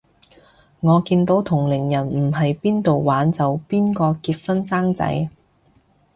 我見到同齡人唔係邊到玩就邊個結婚生仔